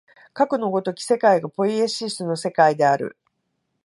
かくの如き世界がポイエシスの世界である。